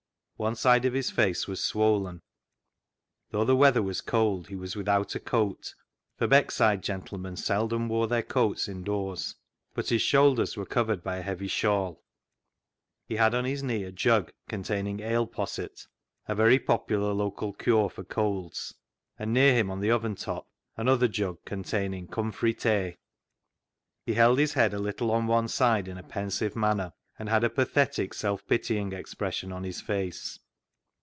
One side of his face was swollen. Though the weather was cold, he was without a coat, for Beckside gentlemen seldom wore their coats indoors ; but his shoulders were covered by a heavy shawl. He had on his knee a jug containing ale posset — a very popular local cure for colds — and near him, on the oven top, another jug containing " cumfrey tay." He held his head a little on one side in a pensive manner, and had a pathetic, self pitying expression on his face.